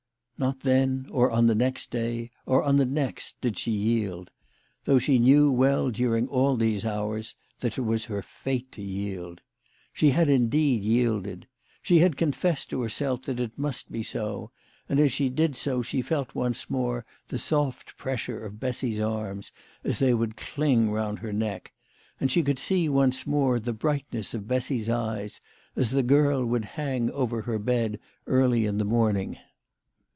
Not then, or on the next day, or on the next, did she yield; though she knew well during all these hours that it was her fate to yield. She had indeed yielded. She had confessed to herself that it must be so, and as she did so she felt once more the soft pres sure of Bessy's arms as they would cling round her neck, and she could sqp once more the brightness of Bessy's eyes as the girl would hang over her bed early in the morning.